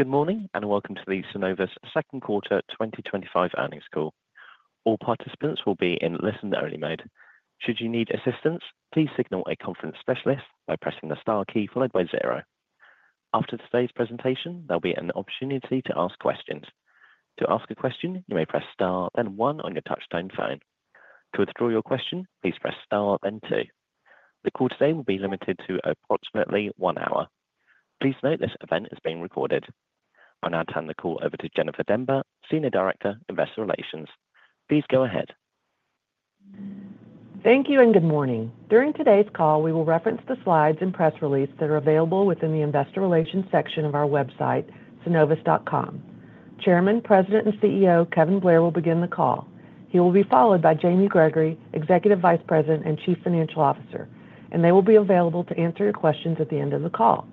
Good morning and welcome to the Synovus second quarter 2025 earnings call. All participants will be in listen only mode. Should you need assistance, please signal a conference specialist by pressing the star key followed by zero. After today's presentation, there'll be an opportunity to ask questions. To ask a question, you may press star then one on your touchtone phone. To withdraw your question, please press star then two. The call today will be limited to approximately one hour. Please note this event is being recorded. I'll now turn the call over to Jennifer Demba, Senior Director, Investor Relations. Please go ahead. Thank you and good morning. During today's call, we will reference the slides and press release that are available within the Investor Relations section of our website, synovus.com Chairman, President and CEO Kevin Blair will begin the call. He will be followed by Jamie Gregory, Executive Vice President and Chief Financial Officer, and they will be available to answer your questions at the end of the call.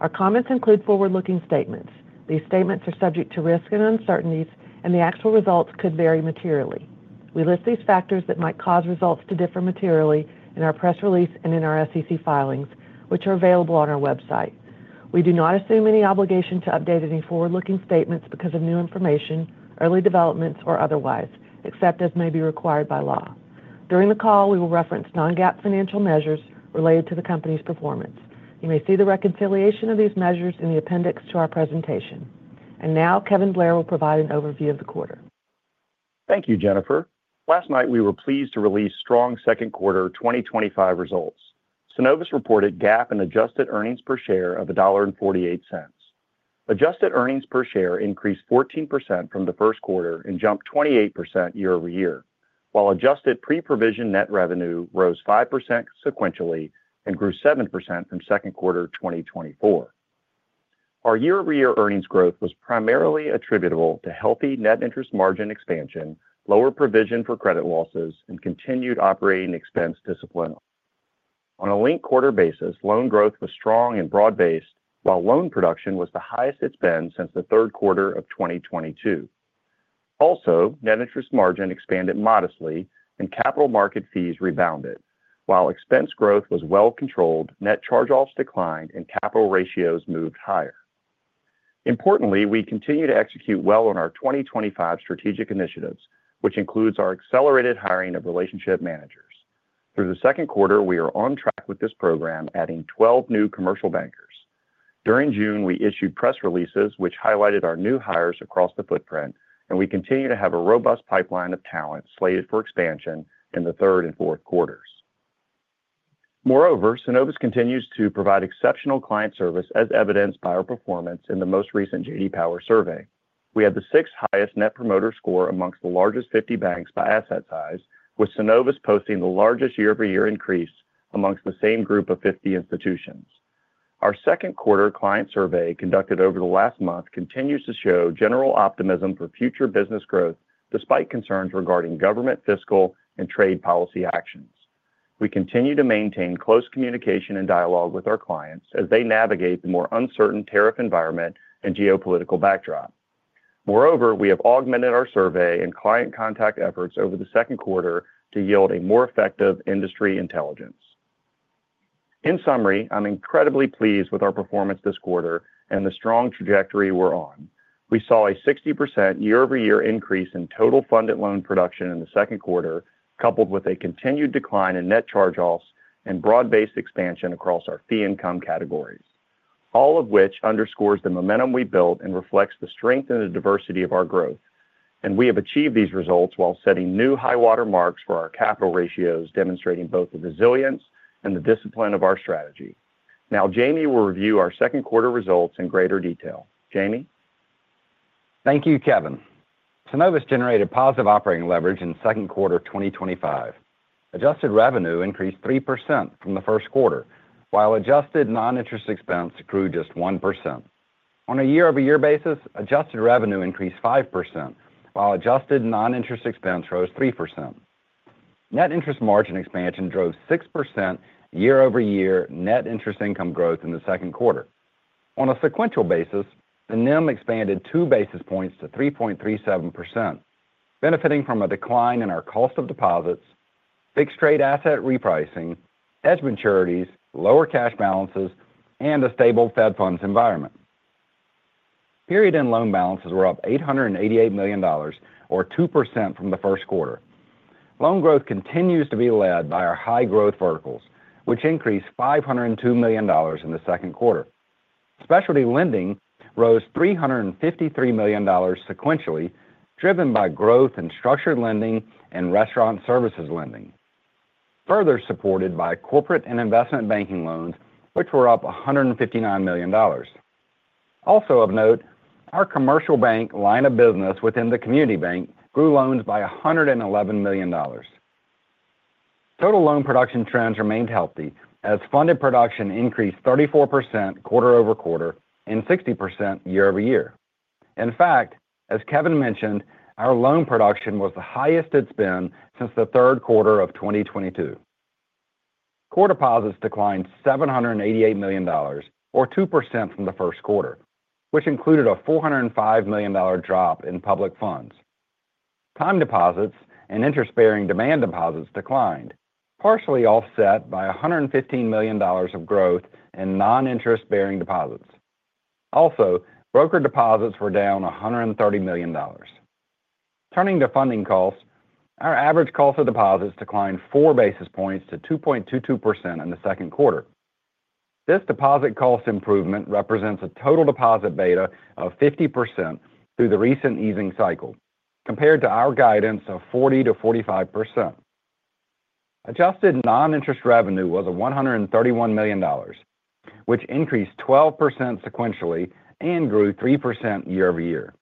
Our comments include forward-looking statements. These statements are subject to risks and uncertainties, and the actual results could vary materially. We list these factors that might cause results to differ materially in our press release and in our SEC filings, which are available on our website. We do not assume any obligation to update any forward-looking statements because of new information, early developments, or otherwise, except as may be required by law. During the call, we will reference non-GAAP financial measures related to the company's performance. You may see the reconciliation of these measures in the appendix to our presentation. Now Kevin Blair will provide an overview of the quarter. Thank you, Jennifer. Last night we were pleased to release strong second quarter 2025 results. Synovus reported GAAP and adjusted earnings per share of $1.48. Adjusted earnings per share increased 14% from the first quarter and jumped 28% year-over-year while adjusted pre-provision net revenue rose 5% sequentially and grew 7% from second quarter 2024. Our year-over-year earnings growth was primarily attributable to healthy net interest margin expansion, lower provision for credit losses, and continued operating expense discipline. On a linked quarter basis, loan growth was strong and broad based while loan production was the highest it's been since the third quarter of 2022. Also, net interest margin expanded modestly and capital market fees rebounded. While expense growth was well controlled, net charge-offs declined and capital ratios moved higher. Importantly, we continue to execute well on our 2025 strategic initiatives which includes our accelerated hiring of relationship managers. Through the second quarter, we are on track with this program adding 12 new commercial bankers. During June, we issued press releases which highlighted our new hires across the footprint and we continue to have a robust pipeline of talent slated for expansion in the third and fourth quarters. Moreover, Synovus continues to provide exceptional client service as evidenced by our performance in the most recent J.D. Power survey. We had the sixth highest net promoter score amongst the largest 50 banks by asset size, with Synovus posting the largest year-over-year increase amongst the same group of 50 institutions. Our second quarter client survey conducted over the last month continues to show general optimism for future business growth. Despite concerns regarding government fiscal and trade policy actions, we continue to maintain close communication and dialogue with our clients as they navigate the more uncertain tariff environment and geopolitical backdrop. Moreover, we have augmented our survey and client contact efforts over the second quarter to yield more effective industry intelligence. In summary, I'm incredibly pleased with our performance this quarter and the strong trajectory we're on. We saw a 60% year-over-year increase in total funded loan production in the second quarter coupled with a continued decline in net charge-offs and broad based expansion across our fee income categories, all of which underscores the momentum we built and reflects the strength and the diversity of our growth. We have achieved these results while setting new high water marks for our capital ratios, demonstrating both the resilience and the discipline of our strategy. Now Jamie will review our second quarter results in greater detail. Jamie. Thank you. Kevin, Synovus generated positive operating leverage in the second quarter 2025. Adjusted revenue increased 3% from the first quarter while adjusted non-interest expense grew just 1%. On a year-over-year basis, adjusted revenue increased 5% while adjusted non-interest expense rose 3%. Net interest margin expansion drove 6% year-over-year net interest income growth in the second quarter. On a sequential basis, the NIM expanded 2 basis points to 3.37%, benefiting from a decline in our cost of deposits, fixed rate asset repricing, hedge maturities, lower cash balances, and a stable Fed funds environment. Period-end loan balances were up $888 million or 2% from the first quarter. Loan growth continues to be led by our high growth verticals, which increased $502 million in the second quarter. Specialty lending rose $353 million sequentially, driven by growth in structured lending and restaurant services lending, further supported by corporate and investment banking loans, which were up $159 million. Also of note, our commercial bank line of business within the community bank grew loans by $111 million. Total loan production trends remained healthy as funded production increased 34% quarter-over-quarter and 60% year-over-year. In fact, as Kevin mentioned, our loan production was the highest it's been since the third quarter of 2022. Core deposits declined $788 million or 2% from the first quarter, which included a $405 million drop in public funds. Time deposits and interest-bearing demand deposits declined, partially offset by $115 million of growth in non-interest-bearing deposits. Also, broker deposits were down $130 million. Turning to funding costs, our average cost of deposits declined four basis points to 2.22% in the second quarter. This deposit cost improvement represents a total deposit beta of 50% through the recent easing cycle compared to our guidance of 40%-45%. Adjusted non-interest revenue was $131 million, which increased 12% sequentially and grew 3% year-over-year.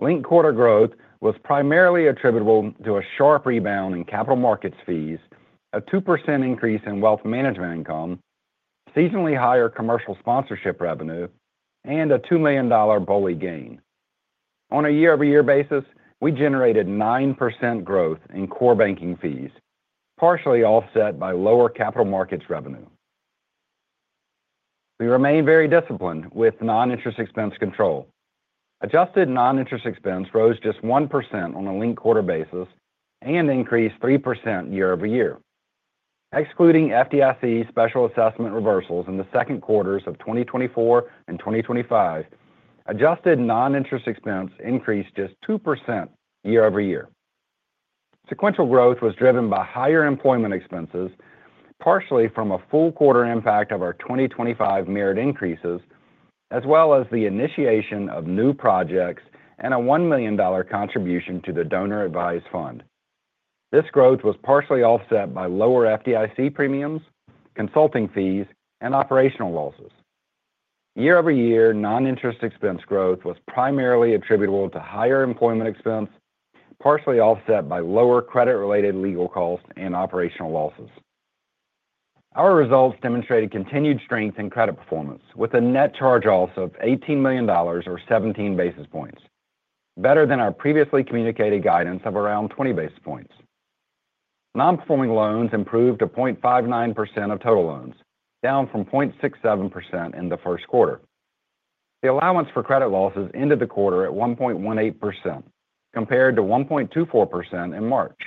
Linked quarter growth was primarily attributable to a sharp rebound in capital markets fees, a 2% increase in wealth management income, seasonally higher commercial sponsorship revenue, and a $2 million BOLI gain. On a year-over-year basis, we generated 9% growth in core banking fees, partially offset by lower capital markets revenue. We remain very disciplined with non-interest expense control. Adjusted non-interest expense rose just 1% on a linked quarter basis and increased 3% year-over-year, excluding FDIC special assessment reversals in the second quarters of 2024 and 2025. Adjusted non-interest expense increased just 2% year-over-year. Sequential growth was driven by higher employment expenses, partially from a full quarter impact of our 2025 merit increases, as well as the initiation of new projects and a $1 million contribution to the donor advised fund. This growth was partially offset by lower FDIC premiums, consulting fees, and operational losses year-over-year. Non-interest expense growth was primarily attributable to higher employment expense, partially offset by lower credit-related legal costs and operational losses. Our results demonstrated continued strength in credit performance with a net charge-off of $18 million, or 17 basis points, better than our previously communicated guidance of around 20 basis points. Nonperforming loans improved to 0.59% of total loans, down from 0.67% in the first quarter. The allowance for credit losses ended the quarter at 1.18% compared to 1.24% in March.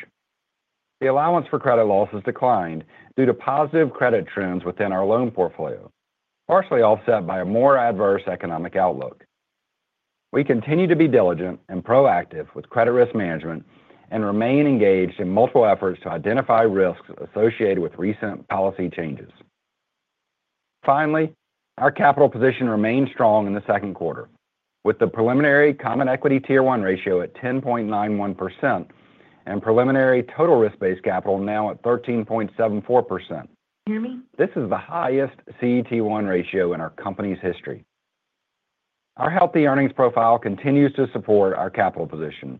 The allowance for credit losses declined due to positive credit trends within our loan portfolio, partially offset by a more adverse economic outlook. We continue to be diligent and proactive with credit risk management and remain engaged in multiple efforts to identify risks associated with recent policy changes. Finally, our capital position remains strong in the second quarter with the preliminary Common Equity Tier 1 ratio at 10.91% and preliminary total risk-based capital now at 13.74%. This is the highest CET1 ratio in our company's history. Our healthy earnings profile continues to support our capital position,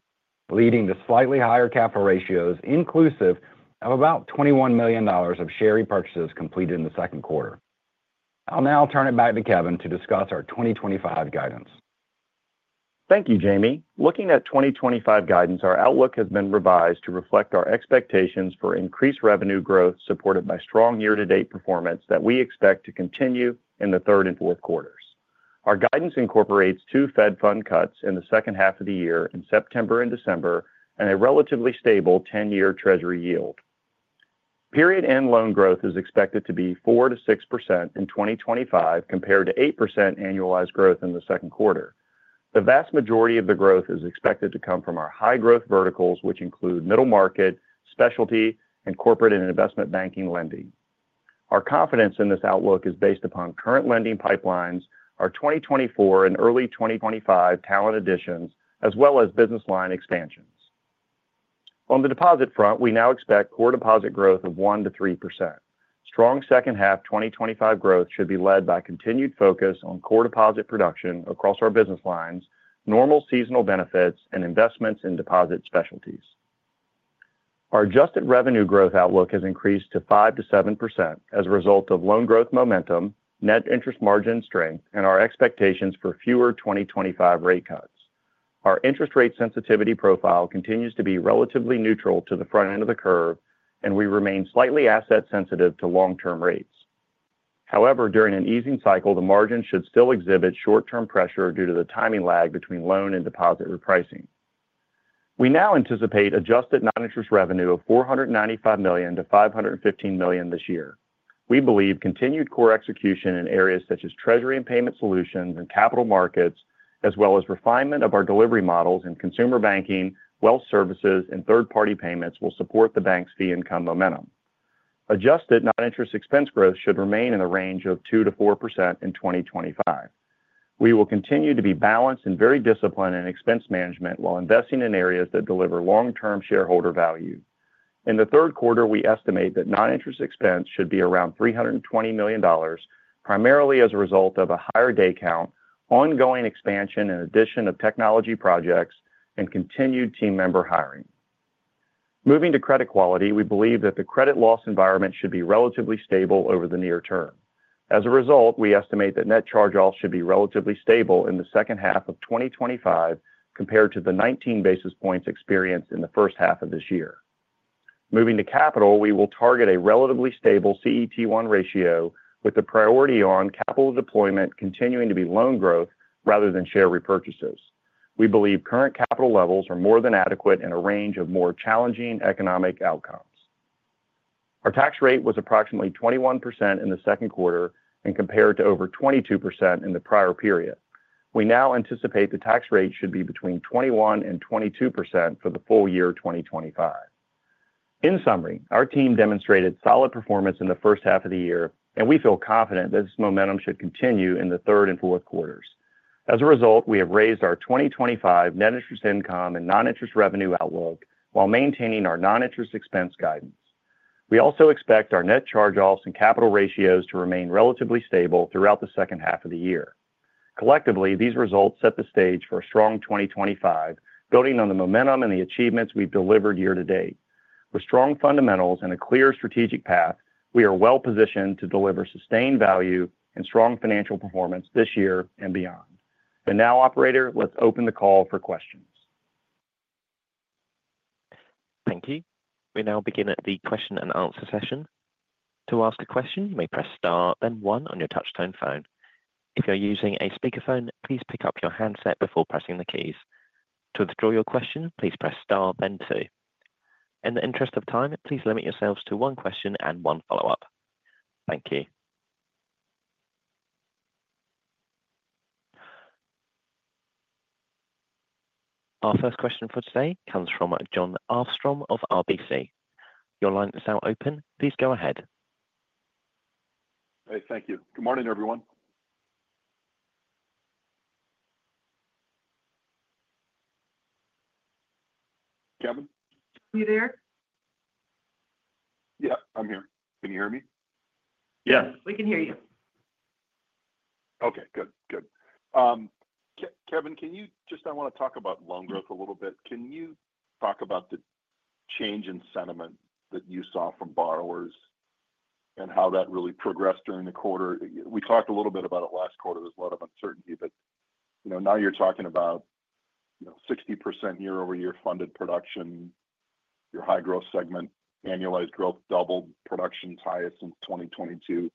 leading to slightly higher capital ratios inclusive of about $21 million of share repurchases completed in the second quarter. I'll now turn it back to Kevin to discuss our 2025 guidance. Thank you Jamie. Looking at 2025 guidance, our outlook has been revised to reflect our expectations for increased revenue growth supported by strong year-to-date performance that we expect to continue in the third and fourth quarters. Our guidance incorporates two Fed fund cuts in the second half of the year in September and December and a relatively stable 10-year treasury yield period. End loan growth is expected to be 4%-6% in 2025 compared to 8% annualized growth in the second quarter. The vast majority of the growth is expected to come from our high growth verticals, which include middle market specialty and corporate and investment banking lending. Our confidence in this outlook is based upon current lending pipelines, our 2024 and early 2025 talent additions, as well as business line expansions. On the deposit front, we now expect core deposit growth of 1%-3%. Strong second half 2025 growth should be led by continued focus on core deposit production across our business lines, normal seasonal benefits, and investments in deposit specialties. Our adjusted revenue growth outlook has increased to 5%-7% as a result of loan growth momentum, net interest margin strength, and our expectations for fewer 2025 rate cuts. Our interest rate sensitivity profile continues to be relatively neutral to the front end of the curve, and we remain slightly asset sensitive to long-term rates. However, during an easing cycle, the margin should still exhibit short-term pressure due to the timing lag between loan and deposit repricing. We now anticipate adjusted non-interest revenue of $495 million-$515 million this year. We believe continued core execution in areas such as treasury and payment solutions and capital markets, as well as refinement of our delivery models in consumer banking, wealth services, and third-party payments, will support the bank's fee income momentum. Adjusted non-interest expense growth should remain in the range of 2%-4% in 2025. We will continue to be balanced and very disciplined in expense management while investing in areas that deliver long-term shareholder value. In the third quarter, we estimate that non-interest expense should be around $320 million, primarily as a result of a higher day count, ongoing expansion and addition of technology projects, and continued team member hiring. Moving to credit quality, we believe that the credit loss environment should be relatively stable over the near term. As a result, we estimate that net charge-offs should be relatively stable in the second half of 2025 compared to the 19 basis points experienced in the first half of this year. Moving to capital, we will target a relatively stable CET1 ratio. With the priority on capital deployment continuing to be loan growth rather than share repurchases, we believe current capital levels are more than adequate in a range of more challenging economic outcomes. Our tax rate was approximately 21% in the second quarter compared to over 22% in the prior period. We now anticipate the tax rate should be between 21% and 22% for the full year 2025. In summary, our team demonstrated solid performance in the first half of the year and we feel confident this momentum should continue in the third and fourth quarters. As a result, we have raised our 2025 net interest income and non-interest revenue outlook while maintaining our non-interest expense guidance. We also expect our net charge-offs and capital ratios to remain relatively stable throughout the second half of the year. Collectively, these results set the stage for a strong 2025, building on the momentum and the achievements we've delivered year to date. With strong fundamentals and a clear strategic path, we are well positioned to deliver sustained value and strong financial performance this year and beyond. Now, Operator, let's open the call for questions. Thank you. We now begin the question and answer session. To ask a question, you may press star then one on your touchtone phone. If you're using a speakerphone, please pick up your handset before pressing the keys. To withdraw your question, please press star then two. In the interest of time, please limit yourselves to one question and one follow-up. Thank you. Our first question for today comes from Jon Arfstrom of RBC. Your line is now open. Please go ahead. Great. Thank you. Good morning, everyone. Kevin, you there? Yeah, I'm here. Can you hear me? Yeah, we can hear you. Okay, good, good. Kevin, can you just, I want to talk about loan growth a little bit. Can you talk about the change in sentiment that you saw from borrowers and how that really progressed during the quarter? We talked a little bit about it last quarter. There's a lot of uncertainty, but, you know, now you're talking about, you know, 60% year-over-year funded production, your high growth segment, annualized growth, doubled production ties in 2022.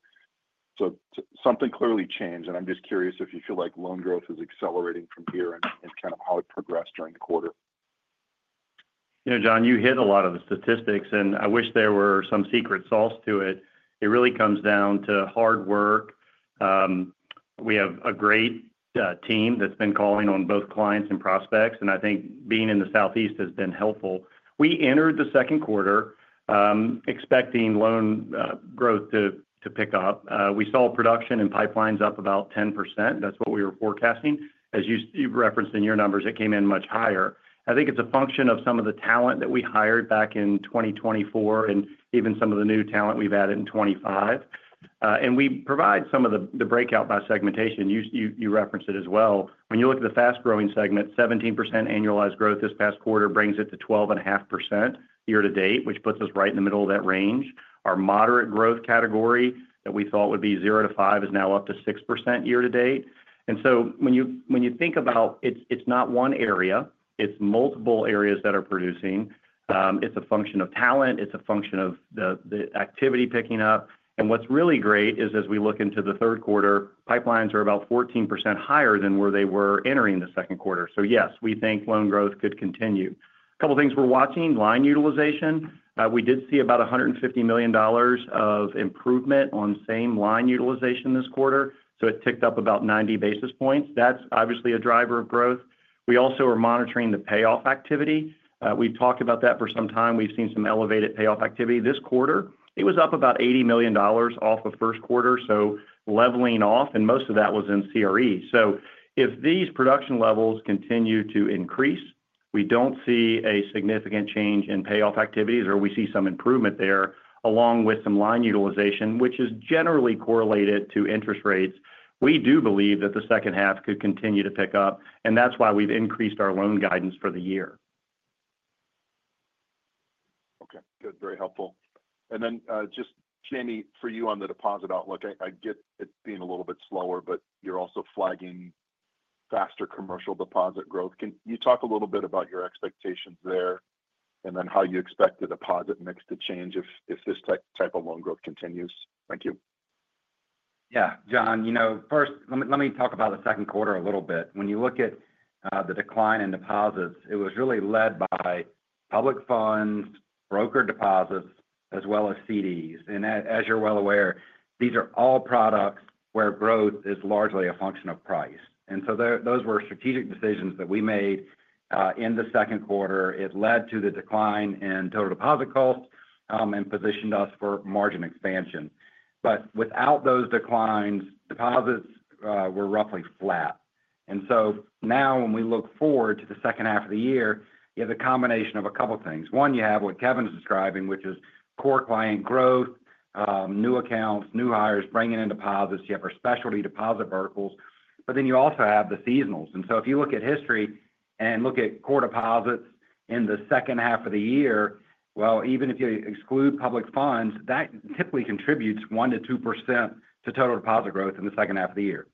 Something clearly changed. I'm just curious if you feel like loan growth is accelerating from here and kind of how it progressed during the quarter. You know, Jon, you hit a lot of the statistics and I wish there were some secret sauce to it. It really comes down to hard work. We have a great team that's been calling on both clients and prospects and I think being in the Southeast has been helpful. We entered the second quarter expecting loan growth to pick up. We saw production and pipelines up about 10%. That's what we were forecasting. As you referenced in your numbers, it came in much higher. I think it's a function of some of the talent that we hired back in 2024 and even some of the new talent we've added in 2025. We provide some of the breakout by segmentation. You referenced it as well. When you look at the fast growing segment, 17% annualized growth this past quarter brings it to 12.5% year to date, which puts us right in the middle of that range. Our moderate growth category that we thought would be 0%-5% is now up to 6% year to date. When you think about it, it's not one area, it's multiple areas that are producing. It's a function of talent, it's a function of the activity picking up. What's really great is as we look into the third quarter, pipelines are about 14% higher than where they were entering the second quarter. Yes, we think loan growth could continue. A couple of things, we're watching line utilization. We did see about $150 million of improvement on same line utilization this quarter. It ticked up about 90 basis points. That's obviously a driver of growth. We also are monitoring the payoff activity. We've talked about that for some time. We've seen some elevated payoff activity this quarter. It was up about $80 million off of first quarter, so leveling off. Most of that was in CRE. If these production levels continue to increase, we don't see a significant change in payoff activities or we see some improvement there along with some line utilization, which is generally correlated to interest rates. We do believe that the second half could continue to pick up, and that's why we've increased our loan guidance for the year. Okay, good. Very helpful. Jamie, for you on the deposit outlook, I get it being a little bit slower, but you're also flagging faster commercial deposit growth. Can you talk a little bit about your expectations there and then how you expect the deposit mix to change if this type of loan growth continues? Thank you. Yeah, Jon, first let me talk about the second quarter a little bit. When you look at the decline in deposits, it was really led by public funds broker deposits as well as CDs. As you're well aware, these are all products where growth is largely a function of price. Those were strategic decisions that we made in the second quarter. It led to the decline in total deposit cost and positioned us for margin expansion. Without those declines, deposits were roughly flat. Now when we look forward to the second half of the year, you have a combination of a couple things. One, you have what Kevin is describing, which is core client growth, new accounts, new hires, bringing in deposits. You have our specialty deposit verticals, then you also have the seasonals. If you look at history and look at core deposits in the second half of the year, even if you exclude public funds, that typically contributes 1%-2% to total deposit growth in the second half of the year.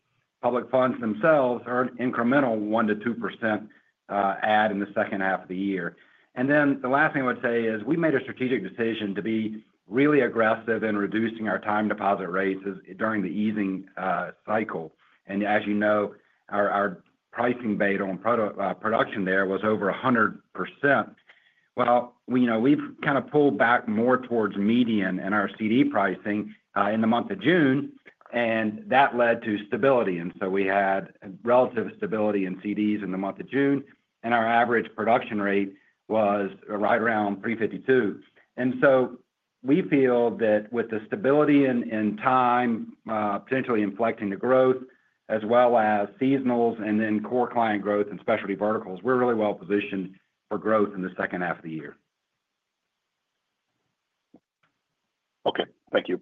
Public funds themselves are an incremental 1%-2% add in the second half of the year. The last thing I would say is we made a strategic decision to be really aggressive in reducing our time deposit rates during the easing cycle. As you know, our pricing beta on production there was over 100%. We've kind of pulled back more towards median and our CD pricing in the month of June. That led to stability. We had relative stability in CDs in the month of June and our average production rate was right around 3.52%. We feel that with the stability and time potentially inflecting the growth as well as seasonals and then core client growth and specialty verticals, we're really well positioned for growth in the second half of the year. Okay, thank you.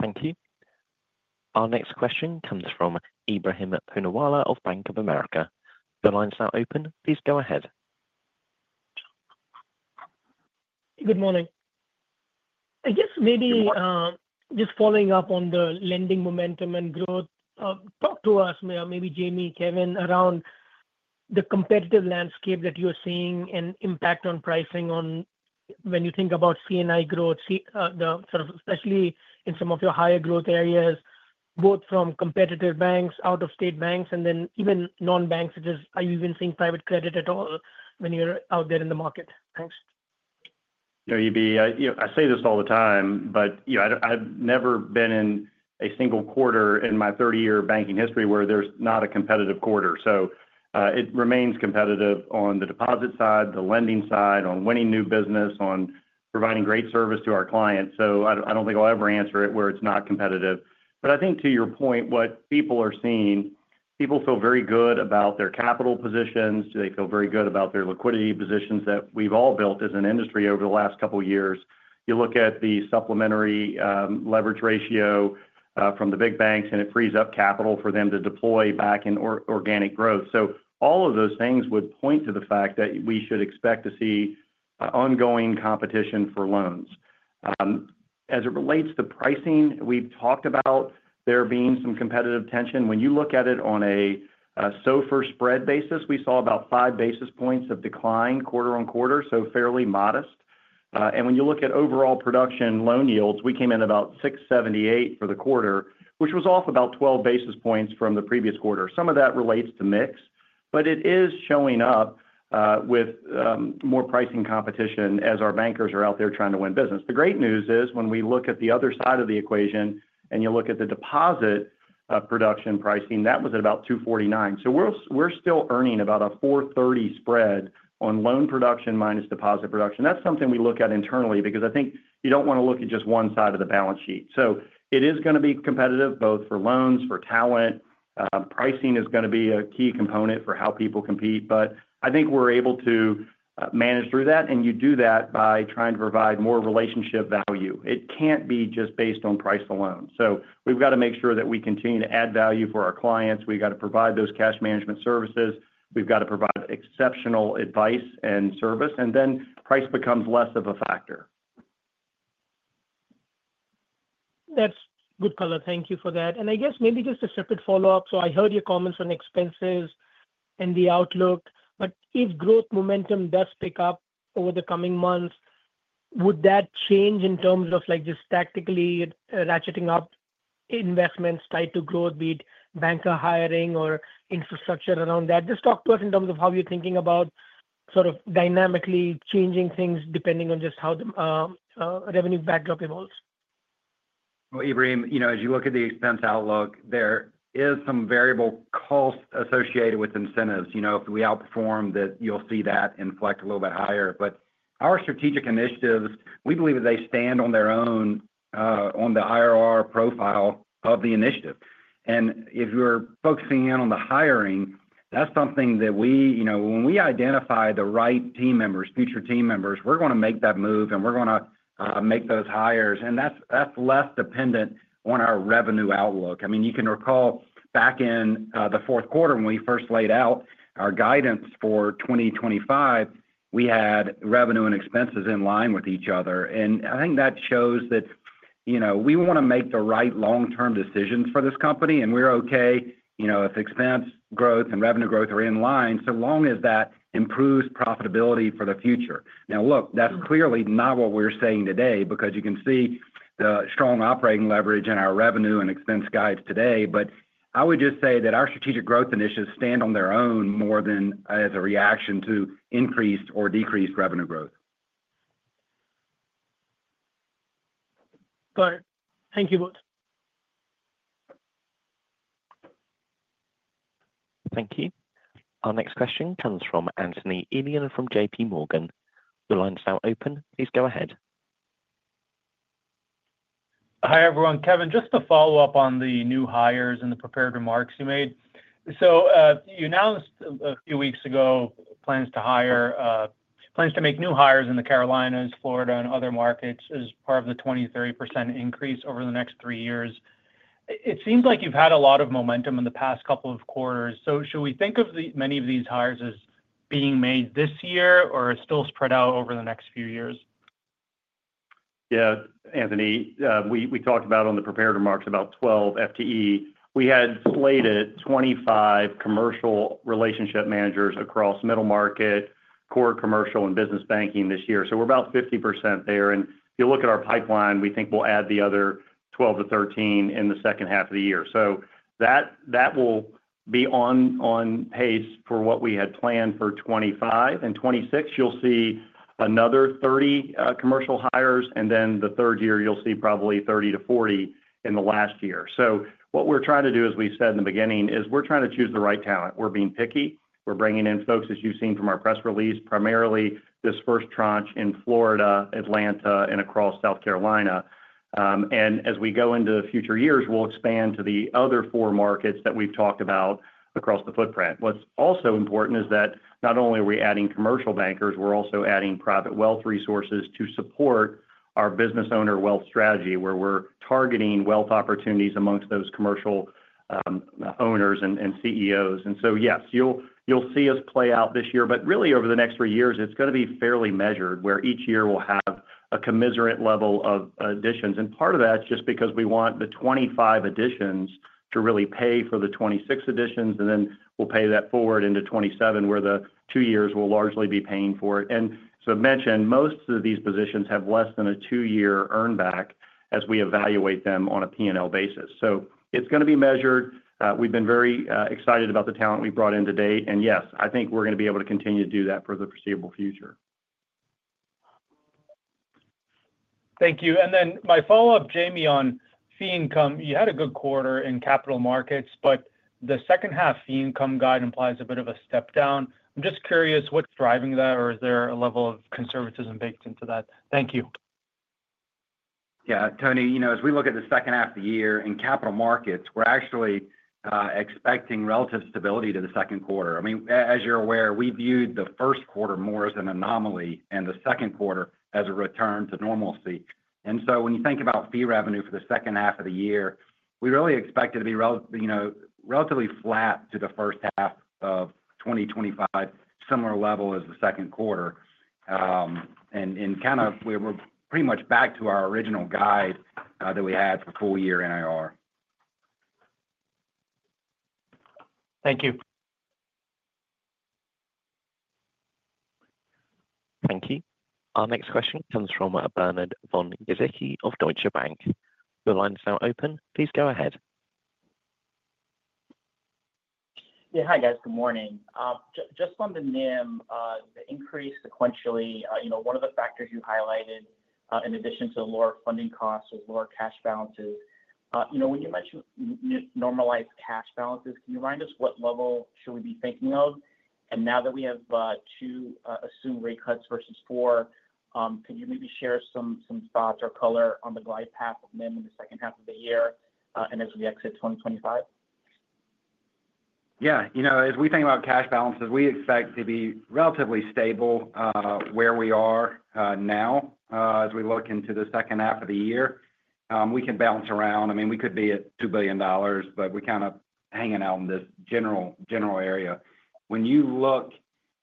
Thank you. Our next question comes from Ebrahim Poonawala of Bank of America. The lines are open. Please go ahead. Good morning. I guess maybe just following up on the lending momentum and growth, talk to us, maybe Jamie, Kevin, around the competitive landscape that you're seeing and impact on pricing when you think about CNI growth, especially in some of your higher growth areas, both from competitive banks, out-of-state banks, and then even non-banks, such as, are you even seeing private credit at all when you're out there in the market? Thanks. Eb. I say this all the time, but I've never been in a single quarter in my 30-year banking history where there's not a competitive quarter. It remains competitive on the deposit side, the lending side, on winning new business, on providing great service to our clients. I don't think I'll ever answer it where it's not competitive. I think to your point, what people are seeing, people feel very good about their capital positions. They feel very good about their liquidity positions that we've all built as an industry over the last couple of years. You look at the supplementary leverage ratio from the big banks and it frees up capital for them to deploy back in organic growth. All of those things would point to the fact that we should expect to see ongoing competition for loans. As it relates to pricing, we've talked about there being some competitive tension. When you look at it on a SOFR spread basis, we saw about five basis points of decline quarter-on-quarter, so fairly modest. When you look at overall production loan yields, we came in about 6.78% for the quarter, which was off about 12 basis points from the previous quarter. Some of that relates to mix, but it is showing up with more pricing competition as our bankers are out there trying to win business. The great news is when we look at the other side of the equation and you look at the deposit production pricing, that was at about 2.49%. We're still earning about a 4.30% spread on loan production minus deposit production. That's something we look at internally because I think you don't want to look at just one side of the balance sheet. It is going to be competitive both for loans and for talent. Pricing is going to be a key component for how people compete. I think we're able to manage through that. You do that by trying to provide more relationship value. It can't be just based on price alone. We've got to make sure that we continue to add value for our clients. We got to provide those cash management services. We've got to provide exceptional advice and service, and then price becomes less of a factor. That's good color. Thank you for that. I guess maybe just a separate follow-up. I heard your comments on expenses and the outlook. If growth momentum does pick up over the coming months, would that change in terms of just tactically ratcheting up investments tied to growth, be it banker hiring or infrastructure around that? Just talk to us in terms of how you're thinking about sort of dynamically changing things depending on just how the revenue backdrop evolves. Ebrahim, as you look at the expense outlook, there is some variable cost associated with incentives. If we outperform that, you'll see that inflect a little bit higher. Our strategic initiatives, we believe that they stand on their own on the IRR profile of the initiative. If you're focusing in on the hiring, that's something that we, when we identify the right team members, future team members, we're going to make that move and we're going to make those hires. That's less dependent on our revenue outlook. You can recall back in the fourth quarter when we first laid out our guidance for 2025, we had revenue and expenses in line with each other. I think that shows that we want to make the right long term decisions for this company. We're okay if expense growth and revenue growth are in line, so long as that improves profitability for the future. Now look, that's clearly not what we're saying today because you can see the strong operating leverage in our revenue and expense guides today. I would just say that our strategic growth initiatives stand on their own more than as a reaction to increased or decreased revenue growth. Thank you. Thank you. Our next question comes from Anthony Elian from JPMorgan. The line is now open. Please go ahead. Hi everyone. Kevin, just to follow up on the new hires and the prepared remarks you made. You announced a few weeks ago plans to hire, plans to make new hires in the Carolinas, Florida, and other markets as part of the 20-30% increase over the next three years. It seems like you've had a lot of momentum in the past couple of quarters. Should we think of many of these hires as being made this year or still spread out over the next few years? Yeah, Anthony, we talked about on the prepared remarks about 12 FTE. We had slated 25 commercial relationship managers across middle market, core commercial, and business banking this year. We're about 50% there. If you look at our pipeline, we think we'll add the other 12%-13% in the second half of the year. That will be on pace for what we had planned for 2025 and 2026. You'll see another 30 commercial hires, and then the third year you'll see probably 30 to 40 in the last year. What we're trying to do, as we said in the beginning, is we're trying to choose the right talent. We're being picky. We're bringing in folks, as you've seen from our press release, primarily this first tranche in Florida, Atlanta, and across South Carolina. As we go into future years, we'll expand to the other four markets that we've talked about across the footprint. What's also important is that not only are we adding commercial bankers, we're also adding private wealth resources to support our business owner wealth strategy where we're targeting wealth opportunities amongst those commercial owners and CEOs. Yes, you'll see us play out this year, but really over the next three years it's going to be fairly measured where each year will have a commensurate level of additions. Part of that is just because we want the 2025 additions to really pay for the 2026 additions, and then we'll pay that forward into 2027 where the two years will largely be paying for it. Most of these positions have less than a two-year earn back as we evaluate them on a P&L basis. It's going to be measured. We've been very excited about the talent we brought in today. Yes, I think we're going to be able to continue to do that for the foreseeable future. Thank you. My follow up, Jamie, on fee income, you had a good quarter in capital markets, but the second half fee income guide implies a bit of a step down. I'm just curious what's driving that or is there a level of conservatism baked into that? Thank you. Yeah, Tony, as we look at the second half of the year in capital markets, we're actually expecting relative stability to the second quarter. As you're aware, we viewed the first quarter more as an anomaly and the second quarter as a return to normalcy. When you think about fee revenue for the second half of the year, we really expect it to be relatively flat to the first half of 2025, similar level as the second quarter. We're pretty much back to our original guide that we had for full year NIR. Thank you. Thank you. Our next question comes from Bernard Von Gizycki of Deutsche Bank. Your line is now open. Please go ahead. Yeah. Hi guys. Good morning. Just on the NIM, the increase sequentially, you know, one of the factors you highlighted in addition to lower funding costs or lower cash balances, you know, when you mentioned normalized cash balances, can you remind us what level should we be thinking of? Now that we have two assumed rate cuts versus four, could you maybe share some thoughts or color on the glide path of NIM in the second half of the year and as we exit 2025? Yeah, you know, as we think about cash balances, we expect to be relatively stable where we are now as we look into the second half of the year. We can bounce around. I mean, we could be at $2 billion, but we are kind of hanging out in this general area. When you look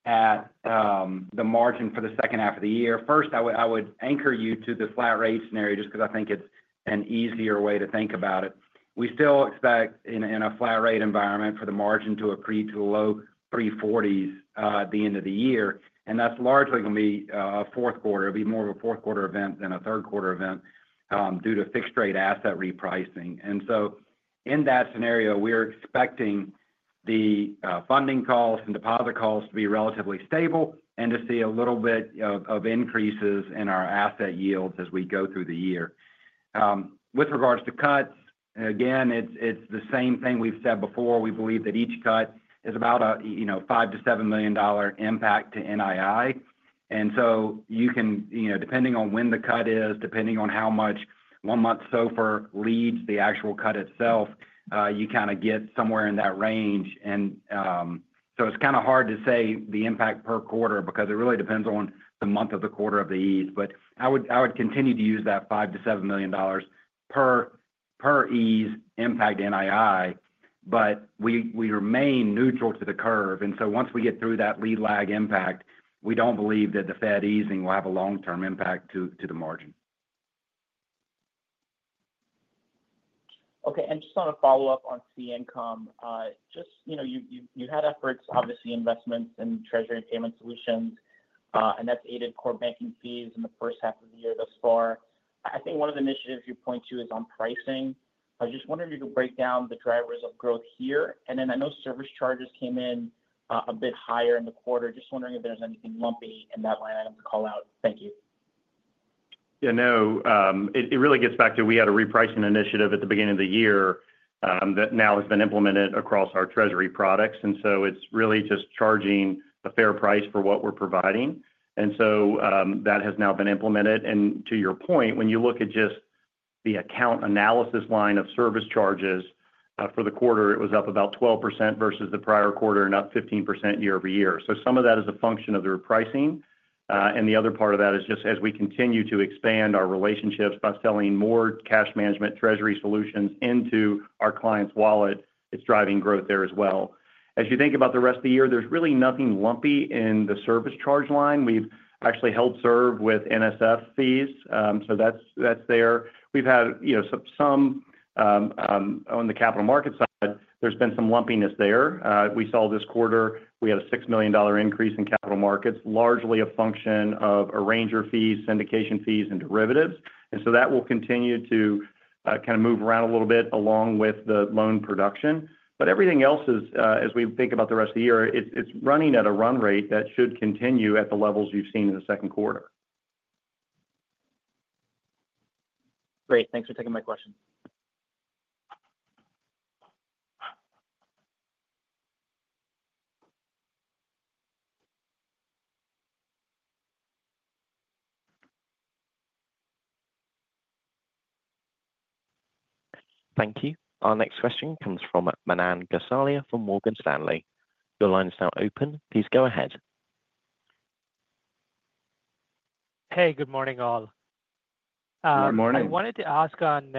at the margin for the second half of the year, first, I would anchor you to the flat rate scenario just because I think it's an easier way to think about it. We still expect in a flat rate environment for the margin to accrete to low 340s at the end of the year. That's largely going to be a fourth quarter event rather than a third quarter event due to fixed rate asset repricing. In that scenario, we are expecting the funding cost and deposit costs to be relatively stable and to see a little bit of increases in our asset yields as we go through the year. With regards to cuts, again, it's the same thing we've said before. We believe that each cut is about a $5 million-$7 million impact to NII. Depending on when the cut is, depending on how much one month SOFR leads the actual cut itself, you kind of get somewhere in that range. It's kind of hard to say the impact per quarter because it really depends on the month of the. Quarter of the East. I would continue to use that $5 million-$7 million per ease impact NII. We remain neutral to the curve, and once we get through that lead lag impact, we don't believe that the Fed easing will have a long-term impact to the margin. Okay. Just on a follow up on C Income, you had efforts, obviously investments in treasury payment solutions, and that's aided core banking fees in the first half of the year thus far. I think one of the initiatives you point to is on pricing. I just wonder if you could break down the drivers of growth here. I know service charges came in a bit higher in the quarter. Just wondering if there's anything lumpy in that line item to call out. Thank you. It really gets back to we had a repricing initiative at the beginning of the year that now has been implemented across our treasury products. It is really just charging a fair price for what we're providing. That has now been implemented and to your point, when you look at just the account analysis line of service charges for the quarter, it was up about 12% versus the prior quarter and up 15% year-over-year. Some of that is a function of their pricing. The other part of that is just as we continue to expand our relationships by selling more cash management treasury solutions into our client's wallet, it's driving growth there as well. As you think about the rest of the year, there's really nothing lumpy in the service charge line. We've actually held serve with NSF fees. We've had some on the capital market side. There's been some lumpiness there. We saw this quarter we had a $6 million increase in capital markets, largely a function of arranger fees, syndication fees and derivatives. That will continue to kind of move around a little bit along with the loan production. Everything else is, as we think about the rest of the year, it's running at a run rate that should continue at the levels you've seen in the second quarter. Great. Thanks for taking my question. Thank you. Our next question comes from Manan Gosalia from Morgan Stanley. Your line is now open. Please go ahead. Good morning all. I wanted to ask on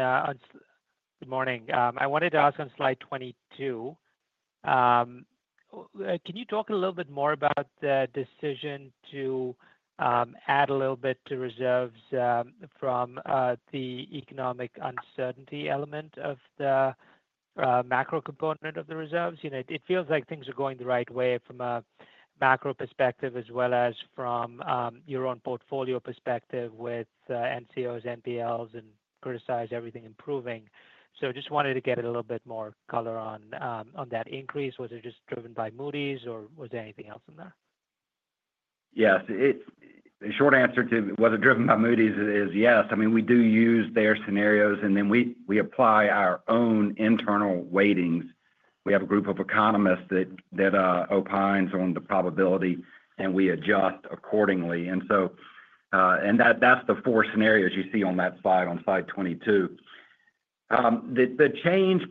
slide 22. Can you talk a little bit more? About the decision to add a little bit to reserves from the economic uncertainty element of the macro component of the reserves? It feels like things are going the right way from a macro perspective as well as from your own portfolio perspective with NCOs, NPLs and criticize everything improving. Just wanted to get a little bit more color on that increase. Was it just driven by Moody's or was there anything else in the. Yes, the short answer to was it driven by Moody's is yes. I mean, we do use their scenarios and then we apply our own internal weightings. We have a group of economists that opines on the probability and we adjust accordingly. That's the four scenarios you see on that slide. On slide 22, the change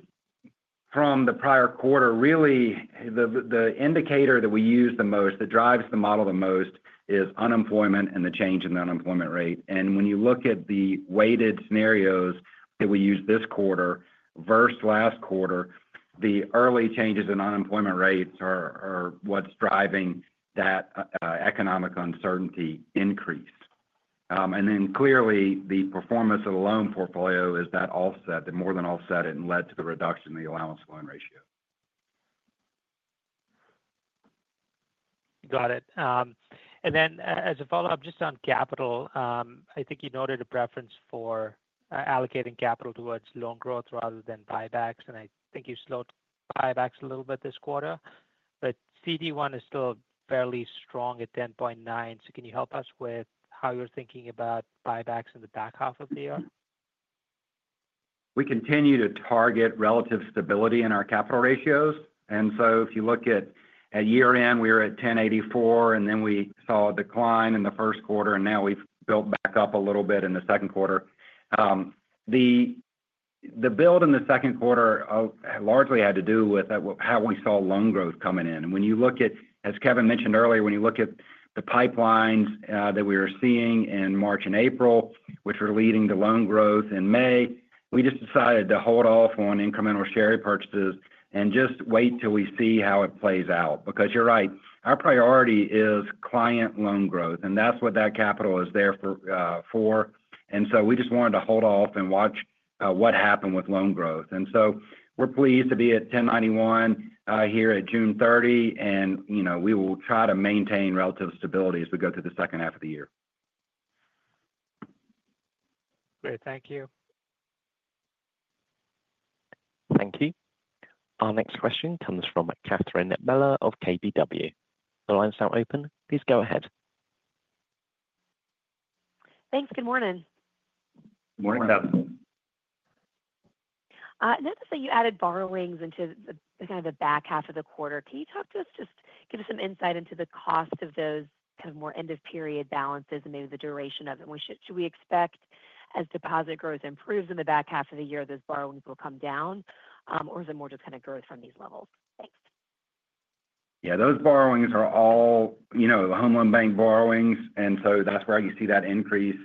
from the prior quarter, really the indicator that we use the most that drives the model the most is unemployment and the change in the unemployment rate. When you look at the weighted scenarios that we use this quarter versus last quarter, the early changes in unemployment rates are what's driving that economic uncertainty increase. Clearly, the performance of the loan portfolio is that offset. That more than offset it and led to the reduction in the allowance loan ratio. Got it. As a follow up just on capital, I think you noted a preference for allocating capital towards loan growth rather than buybacks. I think you slowed buybacks a little bit this quarter, but CET1 is still fairly strong at 10.9%. Can you help us with how you're thinking about buybacks in the back half of the year? We continue to target relative stability in our capital ratios. If you look at year end, we were at 10.84% and then we saw a decline in the first quarter, and now we've built back up a little bit in the second quarter. The build in the second quarter largely had to do with how we saw loan growth coming in. As Kevin mentioned earlier, when you look at the pipelines that we are seeing in March and April, which are leading to loan growth in May, we just decided to hold off on incremental share repurchases and just wait till we see how it plays out, because you're right, our priority is client loan growth and that's what that capital is there for. We just wanted to hold off and watch what happened with loan growth. We're pleased to be at 10.91% here at June 30. We will try to maintain relative stability as we go through the second half of the year. Great, thank you. Thank you. Our next question comes from Catherine Mealor of KBW. The line is now open. Please go ahead. Thanks. Good morning. Good morning, Catherine. Notice that you added borrowings into kind of the back half of the quarter. Can you talk to us, just give us some insight into the cost of those kind of more end of period balances, and maybe the duration of it? Should we expect as deposit growth improves in the back half of the year those borrowings will come down, or is it more just kind of growth from these levels? Thanks. Yeah, those borrowings are all, you know, home loan bank borrowings. That's where you see that increase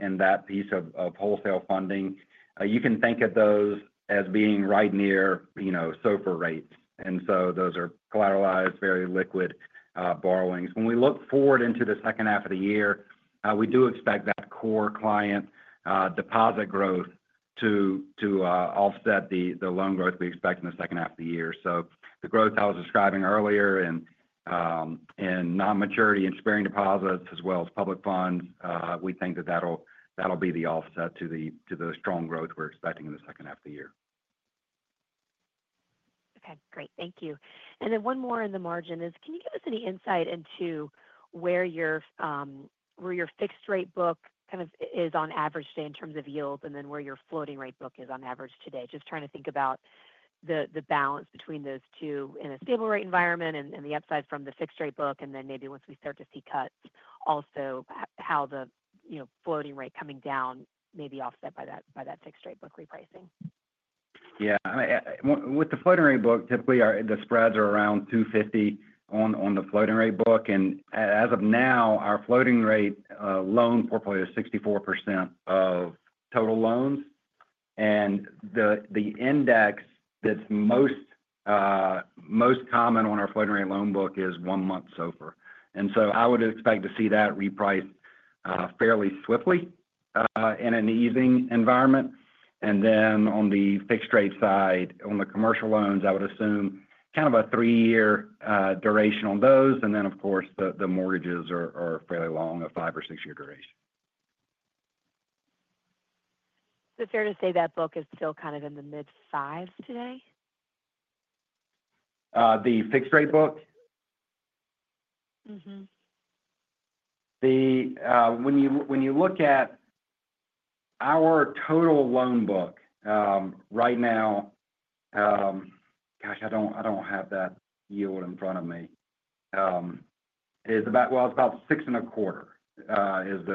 in that piece of wholesale funding. You can think of those as being right near, you know, SOFR rates. Those are collateralized, very liquid borrowings. When we look forward into the second half of the year, we do expect that core client deposit growth to offset the loan growth we expect in the second half of the year. The growth I was describing earlier in non-maturity and sparing deposits as well as public funds, we think that that'll be the offset to the strong growth we're expecting in the second half of the year. Okay, great, thank you. One more in the margin is, can you give us any insight into where your fixed rate book kind of is on average today in terms of yields, and then where your floating rate book is on average today? Just trying to think about the balance between those two in a stable rate environment and the upside from the fixed rate book. Maybe once we start to see cuts, also how the floating rate coming down may be offset by that fixed rate book repricing. Yeah, with the floating rate book, typically the spreads are around 250 on the floating rate book. As of now, our floating rate loan portfolio is 64% of total loans. The index that's most common on our floating rate loan book is one month SOFR. I would expect to see that repriced fairly swiftly in an easing environment. On the fixed rate side, on the commercial loans, I would assume kind of a three year duration on those. Of course, the mortgages are fairly long, a five or six year duration. Is it fair to say that book is still kind of in the mid 5s today? The fixed rate book. The. When you look at our total loan book right now, I don't have that yield in front of me. It is about, well, it's about 6.25% is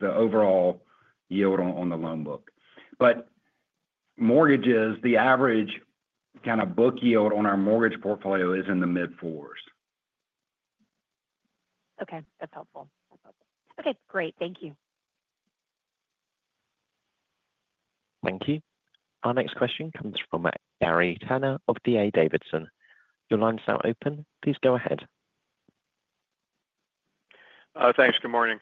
the overall yield on the loan book. Mortgages, the average kind of book yield on our mortgage portfolio is in the mid 4%. Okay, that's helpful. Okay, great. Thank you. Thank you. Our next question comes from Gary Tenner of D.A. Davidson. Your line is now open. Please go ahead. Thanks. Good morning.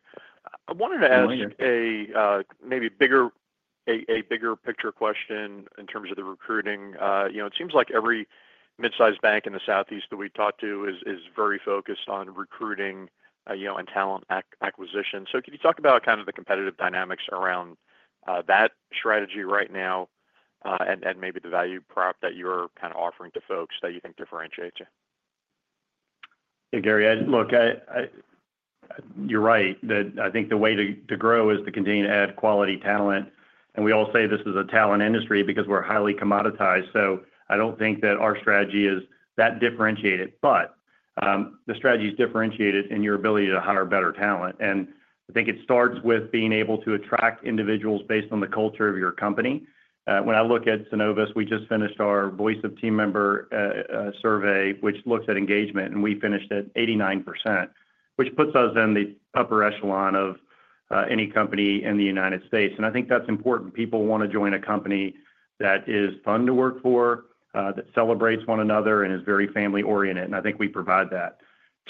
I wanted to ask a question, maybe a bigger picture question in terms of the recruiting. It seems like every mid-sized bank in the Southeast that we talk to is very focused on recruiting a young and talent acquisition. Can you talk about the competitive dynamics around that strategy right now and maybe the value prop that you're offering to folks that you think differentiates you? Gary, look, you're right that I think the way to grow is to continue to add quality talent. We all say this is a talent industry because we're highly commoditized. I don't think that our strategy is that differentiated, but the strategy is differentiated in your ability to hire better talent. I think it starts with being able to attract individuals based on the culture of your company. When I look at Synovus, we just finished our voice of team member survey which looks at engagement, and we finished at 89% which puts us in the upper echelon of any company in the United States. I think that's important. People want to join a company that is fun to work for, that celebrates one another, and is very family oriented. I think we provide that.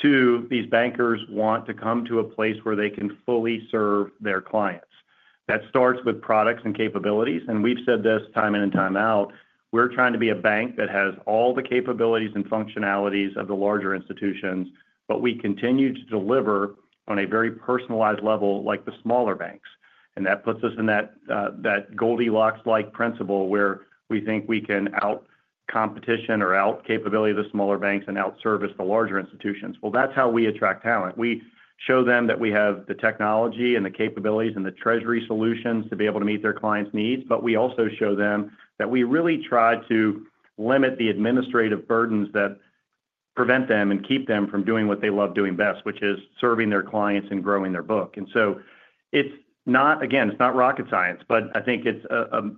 Two, these bankers want to come to a place where they can fully serve their clients. That starts with products and capabilities. We've said this time in and time out, we're trying to be a bank that has all the capabilities and functionalities of the larger institutions. We continue to deliver on a very personalized level like the smaller banks. That puts us in that Goldilocks-like principle where we think we can out competition or out capability the smaller banks and out service the larger institutions. That's how we attract talent. We show them that we have the technology and the capabilities and the treasury solutions to be able to meet their clients' needs. We also show them that we really try to limit the administrative burdens that prevent them and keep them from doing what they love doing best, which is serving their clients and growing their book. It's not rocket science, but I think it's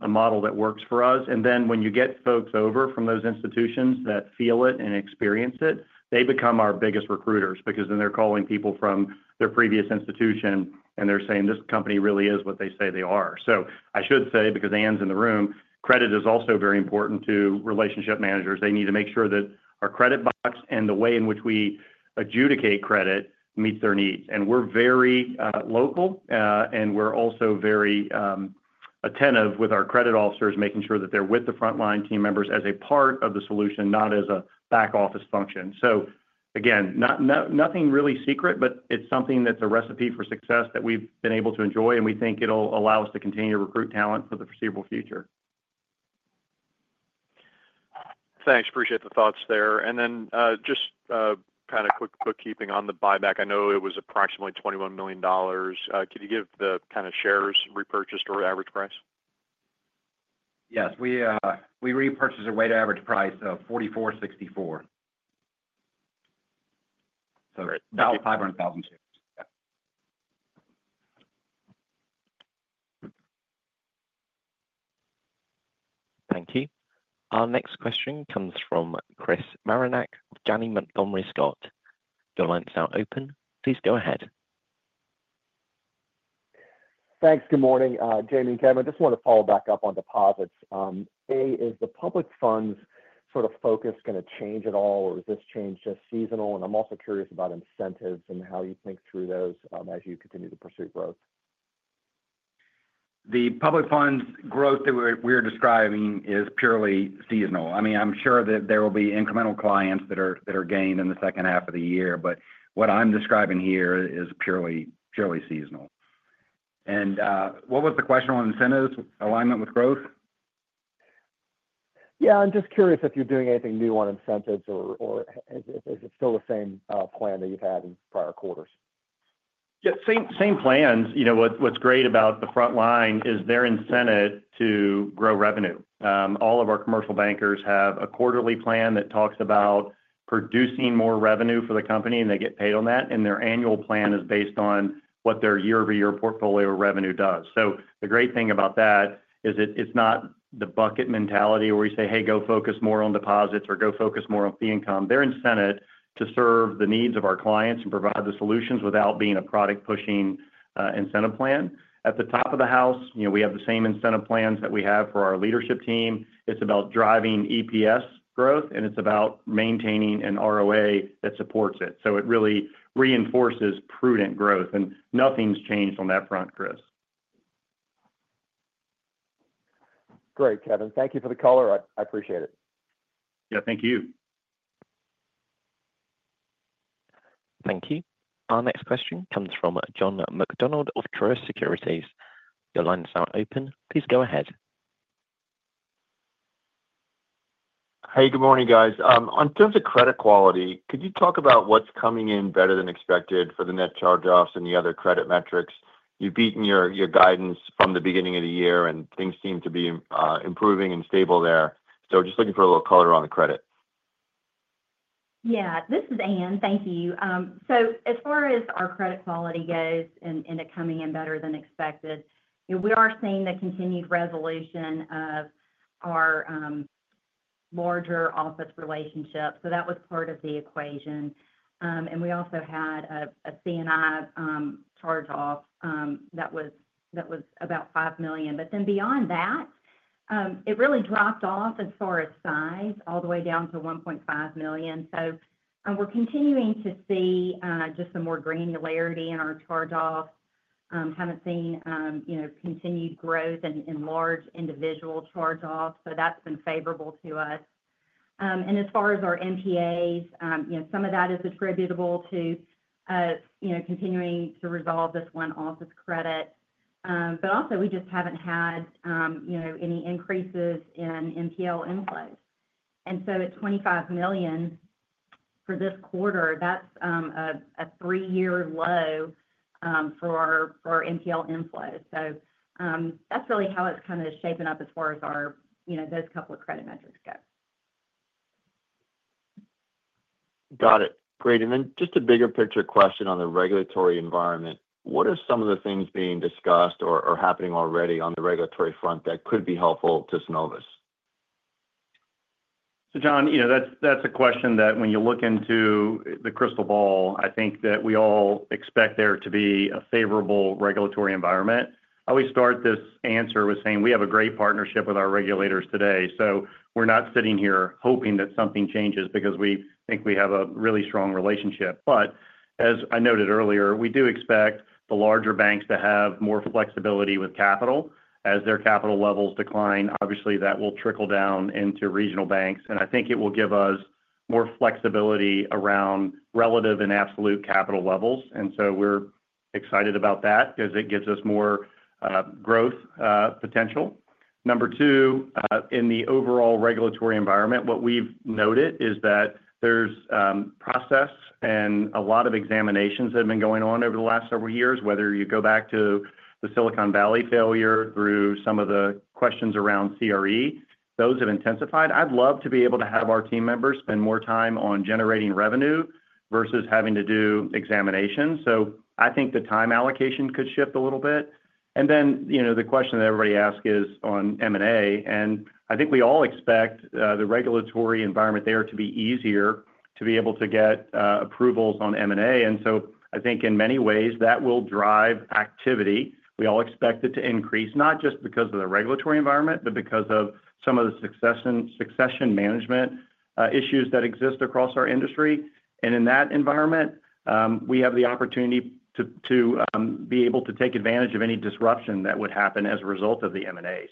a model that works for us. When you get folks over from those institutions that feel it and experience it, they become our biggest recruiters because they're calling people from their previous institution and they're saying this company really is what they say they are. I should say because Anne's in the room. Credit is also very important to relationship managers. They need to make sure that our credit box and the way in which we adjudicate credit meet their needs. We are very local and we are also very attentive with our credit officers, making sure that they're with the frontline team members as a part of the solution, not as a back office function. Nothing really secret, but it's something that's a recipe for success that we've been able to enjoy and we think it'll allow us to continue to recruit talent for the foreseeable future. Thanks, appreciate the thoughts there. Just kind of quick bookkeeping on the buyback. I know it was approximately $21 million. Could you give the kind of shares repurchased or average price? Yes, we repurchased at a weighted average price of $44.64. About 500,000 shares. Thank you. Our next question comes from Chris Marinac of Janney Montgomery Scott. Your line is now open. Please go ahead. Thanks. Good morning. Jamie and Kevin, just want to follow back up on deposits. Is the public funds sort of focus going to change at all, or is this change just seasonal? I'm also curious about incentives and how you think through those as you. Continue to pursue growth. The public funds growth that we're describing is purely seasonal. I'm sure that there will be incremental clients that are gained in the second half of the year. What I'm describing here is purely seasonal. What was the question on incentives, alignment with growth? Yeah, I'm just curious if you're doing anything new on incentives or is it still the same plan that you've had in prior quarters? Yeah, same plans. You know what's great about the frontline is their incentive to grow revenue. All of our commercial bankers have a quarterly plan that talks about producing more revenue for the company, and they get paid on that. Their annual plan is based on what their year-over-year portfolio revenue does. The great thing about that is it's not the bucket mentality where you say, hey, go focus more on deposits or go focus more on fee income. They're incentivized to serve the needs of our clients and provide the solutions without being a product-pushing incentive plan. At the top of the house, we have the same incentive plans that we have for our leadership team. It's about driving EPS growth, and it's about maintaining an ROA that supports it. It really reinforces prudent growth, and nothing's changed on that front. Chris. Great. Kevin, thank you for the call. I appreciate it. Yeah, thank you. Thank you. Our next question comes from John McDonald of Truist Securities. Your line is now open. Please go ahead. Hey, good morning guys. In terms of credit quality, could you talk about what's coming in better than expected for the net charge-offs and the other credit metrics? You've beaten your guidance from the beginning of the year, and things seem to be improving and stable there. Just looking for a little color on the credit. Yeah, this is Anne. Thank you. As far as our credit quality goes and it coming in better than expected, we are seeing the continued resolution of our larger office relationship. That was part of the equation. We also had a C&I charge-off that was about $5 million. Beyond that, it really dropped off as far as size all the way down to $1.5 million. We're continuing to see just some more granularity in our charge-offs. Haven't seen continued growth in large individual charge-offs, so that's been favorable to us. As far as our NPAs, some of that is attributable to continuing to resolve this one office credit. We just haven't had any increases in NPL inflows. At $25 million for this quarter, that's a three-year low for NPL inflow. That's really how it's kind of shaping up as far as those couple of credit metrics go. Got it. Great. And then just a bigger picture question on the regulatory environment. What are some of the things being discussed or happening already on the regulatory front that could be helpful to Synovus? That's a question that when you look into the crystal ball, I think that we all expect there to be a favorable regulatory environment. I always start this answer with saying we have a great partnership with our regulators today. We're not sitting here hoping that something changes because we think we have a really strong relationship. As I noted earlier, we do expect the larger banks to have more flexibility with capital as their capital levels decline. Obviously, that will trickle down into regional banks and I think it will give us more flexibility around relative and absolute capital levels. We're excited about that as it gives us more growth potential. Number two, in the overall regulatory environment, what we've noted is that there's process and a lot of examinations that have been going on over the last several years. Whether you go back to the Silicon Valley failure through some of the questions around CRE, those have intensified. I'd love to be able to have our team members spend more time on generating revenue versus having to do examination. I think the time allocation could shift a little bit. The question that everybody asks is on M&A and I think we all expect the regulatory environment there to be easier to be able to get approvals on M&A. I think in many ways that will drive activity. We all expect it to increase not just because of the regulatory environment, but because of some of the succession management issues that exist across our industry. In that environment we have the opportunity to be able to take advantage of any disruption that would happen as a result of the M&A.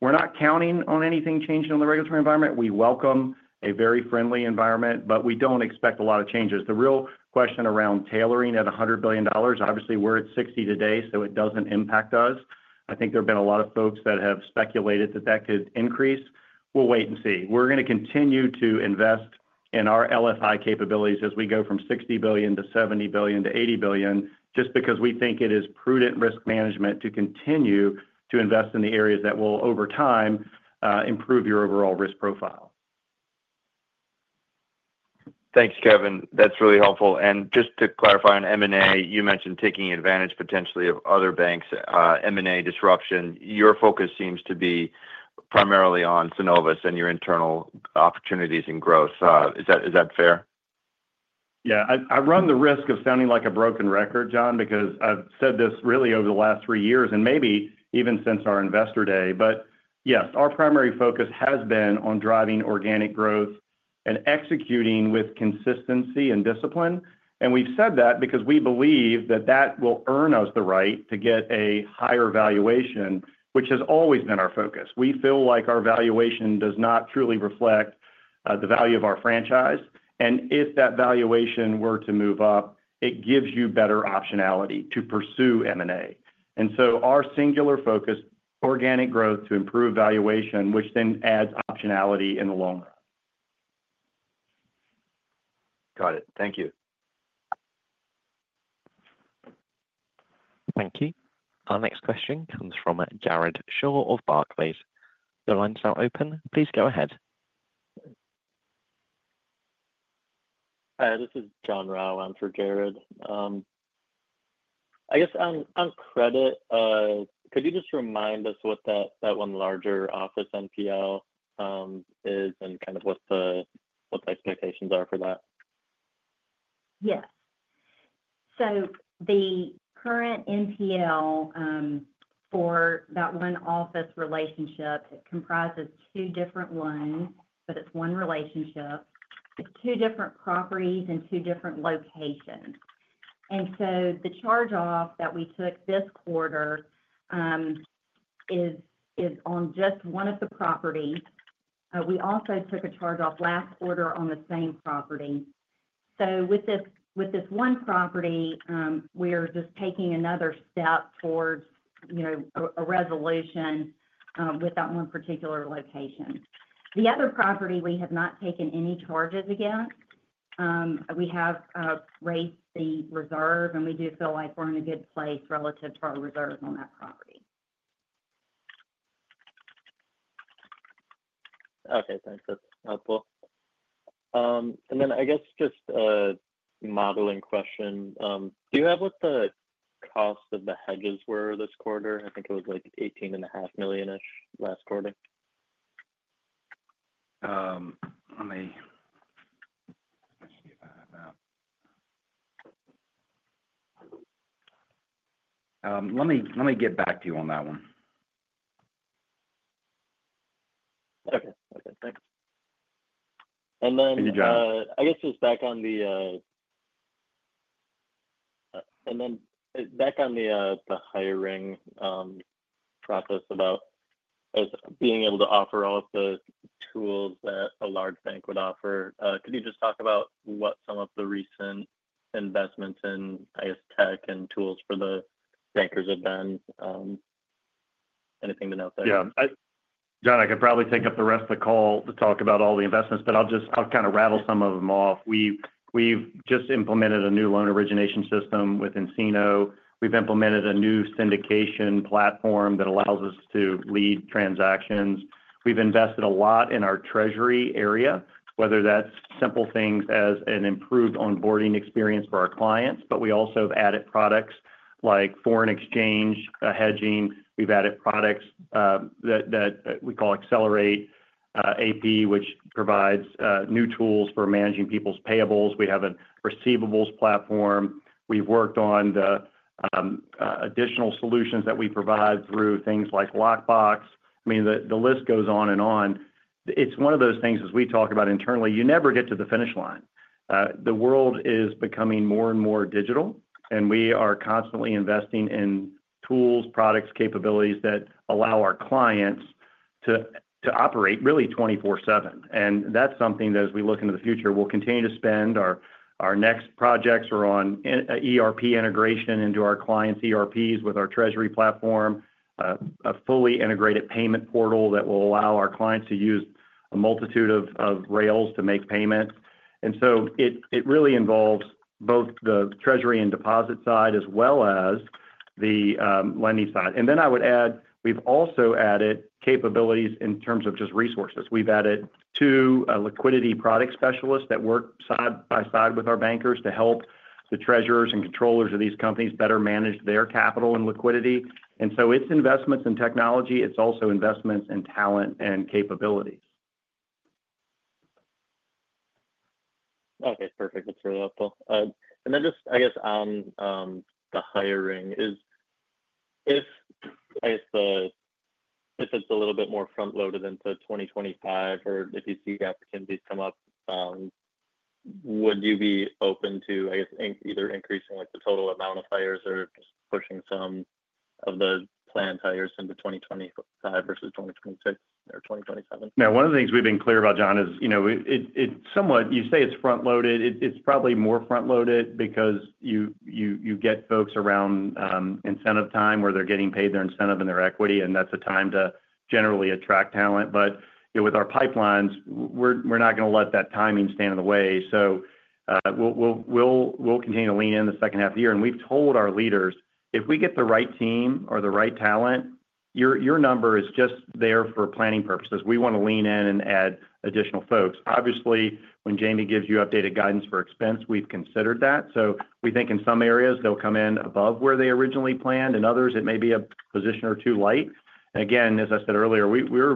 We're not counting on anything changing on the regulatory environment. We welcome a very friendly environment, but we don't expect a lot of changes. The real question around tailoring at $100 billion, obviously we're at $60 billion today, so it doesn't impact us. I think there have been a lot of folks that have speculated that that could increase. We'll wait and see. We're going to continue to invest in our LFI capabilities as we go from $60 billion-$70 billion-$80 billion just because we think it is prudent risk management to continue to invest in the areas that will over time improve your overall risk profile. Thanks, Kevin, that's really helpful. Just to clarify, on M&A, you mentioned taking advantage potentially of other banks, M&A disruption. Your focus seems to be primarily on Synovus and your internal opportunities in growth. Is that fair? Yeah. I run the risk of sounding like a broken record, John, because I've said this really over the last three years and maybe even since our investor day. Yes, our primary focus has been on driving organic growth and executing with consistency and discipline. We've said that because we believe that that will earn us the right to get a higher valuation, which has always been our focus. We feel like our valuation does not truly reflect the value of our franchise. If that valuation were to move up, it gives you better optionality to pursue M&A. Our singular focus, organic growth, to improve valuation, which then adds optionality in the long run. Got it. Thank you. Thank you. Our next question comes from Jared Shaw of Barclays. Your line is now open. Please go ahead. Hi, this is John Rao. I'm for Jared, I guess on credit. Could you just remind us what that one larger office NPL is and kind of what the expectations are for that? Yes. The current NPL for that one office relationship comprises two different loans, but it's one relationship. It's two different properties and two different locations. The charge-off that we took this quarter is on just one of the properties. We also took a charge-off last quarter on the same property. With this one property, we are just taking another step towards a resolution with that one particular location. The other property we have not taken any charges against. We have raised the reserve, and we do feel like we're in a good place relative to our reserves on that property. Okay, thanks, that's helpful. I guess just a modeling question. Do you have what the cost of the hedges were this quarter? I think it was like $18.5 million last quarter. Let me get back to you on that one. Okay, thanks. And then I guess just back on the hiring process about being able to offer all of the tools that a large bank would offer. Could you just talk about what some of the recent investments in tech and tools for the bankers have been? Anything to note there? Yeah, John, I could probably take up the rest of the call to talk about all the investments, but I'll just kind of rattle some of them off. We've just implemented a new loan origination system within nCino. We've implemented a new syndication platform that allows us to lead transactions. We've invested a lot in our treasury area, whether that's simple things as an improved onboarding experience for our clients. We also have added products like foreign exchange hedging. We've added products that we call Accelerate AP, which provides new tools for managing people's payables. We have a receivables platform. We've worked on the additional solutions that we provide through things like Lockbox. The list goes on and on. It's one of those things, as we talk about internally, you never get to the finish line. The world is becoming more and more digital and we are constantly investing in tools, products, capabilities that allow our clients to operate really 24/7. That's something that as we look into the future, we'll continue to spend. Our next projects are on ERP integration into our clients' ERPs with our treasury platform, a fully integrated payment portal that will allow our clients to use a multitude of rails to make payments. It really involves both the treasury and deposit side as well as the lending side. I would add, we've also added capabilities in terms of just resources. We've added two liquidity product specialists that work side by side with our bankers to help the treasurers and controllers of these companies better manage their capital and liquidity. It's investments in technology, it's also investments in talent and capabilities. Okay, perfect. That's really helpful. And then just I guess on the hiring, if it's a little bit more front loaded into 2025 or if you see opportunities come up, would you be open to either increasing the total amount of hires or just pushing some of the planned hires into 2025 versus 2026 or 2027. Now one of the things we've been clear about, John, is you know, it's somewhat, you say it's front loaded, it's probably more front loaded because you get folks around incentive time where they're getting paid, their incentive and their equity. That's a time to generally attract talent. With our pipelines, we're not going to let that timing stand in the way. We'll continue to lean in the second half of the year. We've told our leaders if we get the right team or the right talent, your number is just there for planning purposes. We want to lean in and add additional folks. Obviously when Jamie gives you updated guidance for expense, we've considered that. We think in some areas they'll come in above where they originally planned and others it may be a position or two light. Again, as I said earlier, we're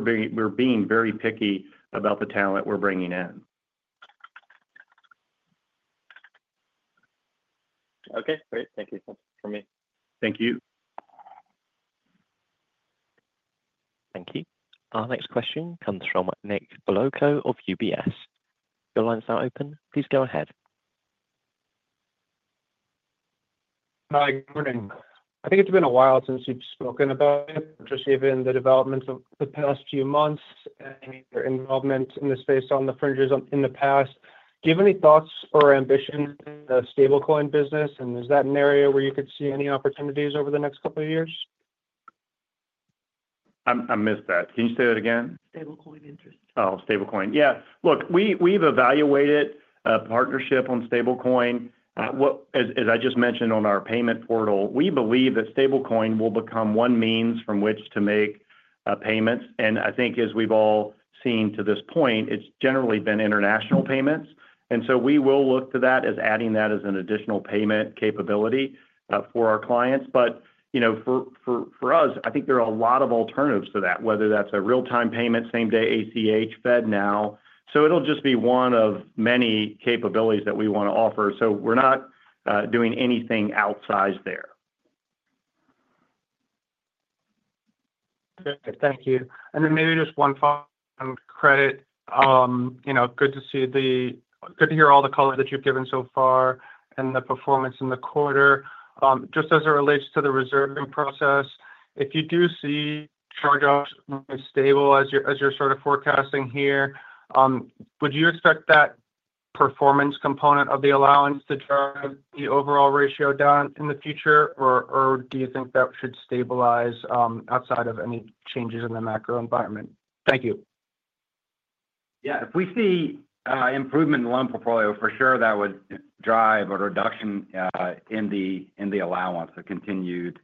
being very picky about the talent we're bringing in. Okay, great. Thank you. For me Thank you. Thank you. Our next question comes from Nick Beloco of UBS. Your line is now open. Please go ahead. Hi, good morning. I think it's been a while since you've spoken about it. Just given the developments of the past few months. Involvement in the space on the fringes in the past. Do you have any thoughts or ambition stablecoin business? Is that an area where you could see any opportunities over the next couple of years? I missed that. Can you say that again? Stablecoin interest. Oh, stablecoin. Yeah, look, we've evaluated a partnership on stablecoin. As I just mentioned on our payment portal, we believe that stablecoin will become one means from which to make payments. I think as we've all seen to this point, it's generally been international payments. We will look to that as adding that as an additional payment capability for our clients. For us, I think there are a lot of alternatives to that, whether that's a real time payment, same day ACH, FedNow. It will just be one of many capabilities that we want to offer. We're not doing anything outsized there. Thank you. Maybe just one credit. Good to see the, good to hear all the color that you've given so far and the performance in the quarter just as it relates to the reserve and process. If you do see charge off stable, as you're sort of forecasting here, would you expect that performance component of the allowance to drive the overall ratio down in the future or do you think that should stabilize outside of. Any changes in the macro-economic environment? Thank you. Yeah, if we see improvement in loan portfolio for sure that would drive a reduction in the allowance, a continued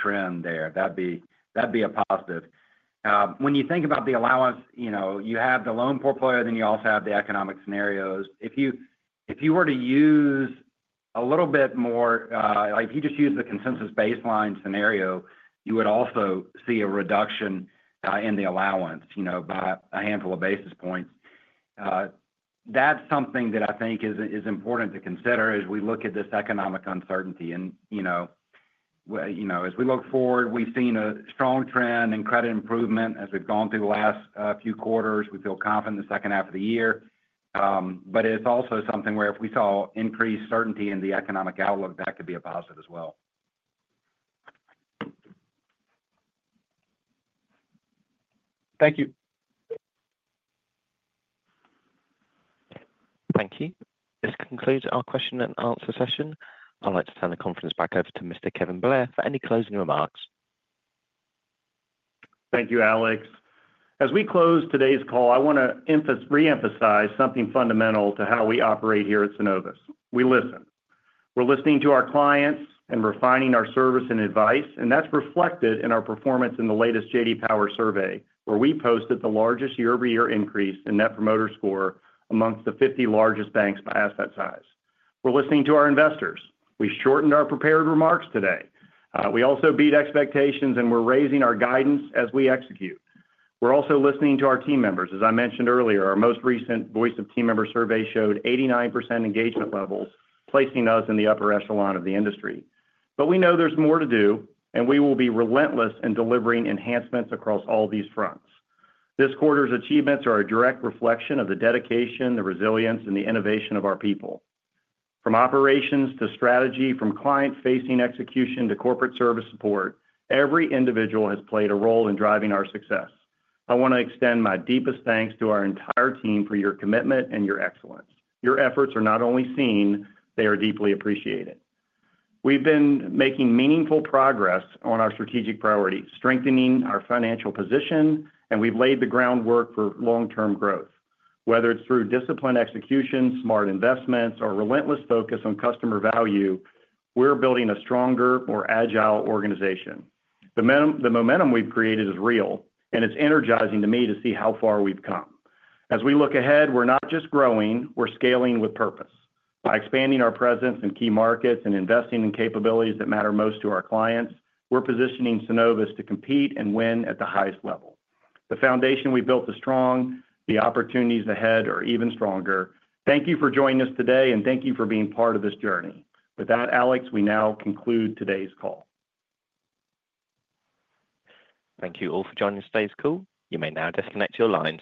trend there, that'd be a positive. When you think about the allowance, you have the loan portfolio, then you also have the economic scenarios. If you were to use a little bit more like you just use the consensus baseline scenario, you would also see a reduction in the allowance, you know, by a handful of basis points. That's something that I think is important to consider as we look at this economic uncertainty, and as we look forward, we've seen a strong trend in credit improvement as we've gone through the last few quarters. We feel confident in the second half of the year. It's also something where if we saw increased certainty in the economic outlook, that could be a positive as well. Thank you. Thank you. This concludes our question and answer session. I'd like to turn the conference back over to Mr. Kevin Blair for any closing remarks. Thank you, Alex. As we close today's call, I want to re-emphasize something fundamental to how we operate here at Synovus. We listen. We're listening to our clients and refining our service and advice. That's reflected in our performance in the latest J.D. Power survey, where we posted the largest year-over-year increase in net promoter score amongst the 50 largest banks by asset size. We're listening to our investors. We shortened our prepared remarks today. We also beat expectations and we're raising our guidance as we execute. We're also listening to our team members. As I mentioned earlier, our most recent Voice of Team Member survey showed 89% engagement levels, placing us in the upper echelon of the industry. We know there's more to do and we will be relentless in delivering enhancements across all these fronts. This quarter's achievements are a direct reflection of the dedication, the resilience, and the innovation of our people. From operations to strategy, from client-facing execution to corporate service support, every individual has played a role in driving our success. I want to extend my deepest thanks to our entire team for your commitment and your excellence. Your efforts are not only seen, they are deeply appreciated. We've been making meaningful progress on our strategic priorities, strengthening our financial position, and we've laid the groundwork for long-term growth. Whether it's through disciplined execution, smart investments, or relentless focus on customer value, we're building a stronger, more agile organization. The momentum we've created is real and it's energizing to me to see how far we've come. As we look ahead, we're not just growing, we're scaling with purpose. By expanding our presence in key markets and investing in capabilities that matter most to our clients, we're positioning Synovus to compete and win at the highest level. The foundation we built is strong. The opportunities ahead are even stronger. Thank you for joining us today and thank you for being part of this journey. With that, Alex, we now conclude today's call. Thank you all for joining today's call. You may now disconnect your lines.